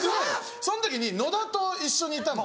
その時に野田と一緒にいたので。